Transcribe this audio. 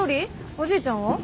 おじいちゃんは？